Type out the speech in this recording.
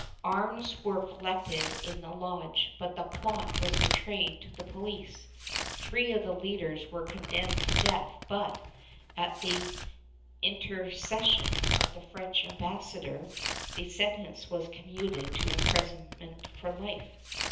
Arms were collected in the lodge, but the plot was betrayed to the police; three of the leaders were condemned to death but, at the inter cession of the French ambassador, the sentence was commuted to imprisonment for life.